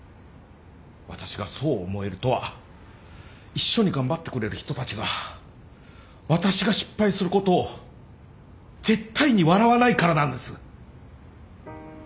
私がそう思えるとは一緒に頑張ってくれる人たちが私が失敗することを絶対に笑わないからなんです